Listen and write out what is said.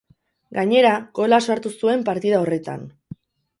Gainera, gola sartu zuen partida horretan.